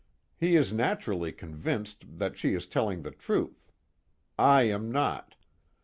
He is naturally convinced that she is telling the truth. I am not.